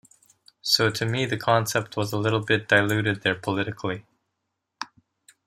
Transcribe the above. So to me the concept was a little bit diluted there politically.